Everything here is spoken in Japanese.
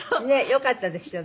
よかったですよね。